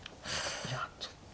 いやちょっと。